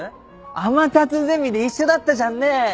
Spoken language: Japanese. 天達ゼミで一緒だったじゃんね？